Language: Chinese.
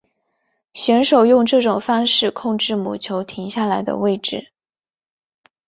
选手用这种方式控制母球停下来的位置。